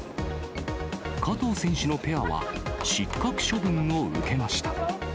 加藤選手のペアは、失格処分を受けました。